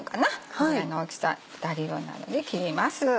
これぐらいの大きさ２人分なので切ります。